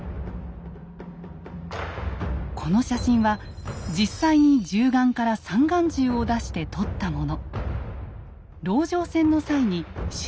この写真は実際に銃眼から三眼銃を出して撮ったもの。